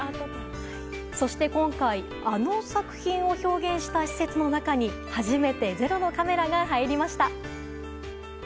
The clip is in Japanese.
そして今回あの作品を表現した施設の中に初めて「ｚｅｒｏ」のカメラが入りました。